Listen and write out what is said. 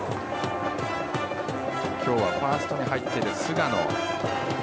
今日はファーストに入っている菅野。